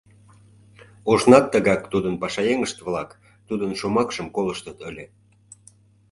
Ожнат тыгак тудын пашаеҥышт-влак тудын шомакшым колыштыт ыле.